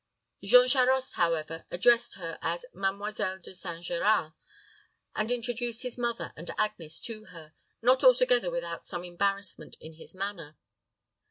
Jean Charost, however, addressed her as Mademoiselle De St. Geran, and introduced his mother and Agnes to her, not altogether without some embarrassment in his manner.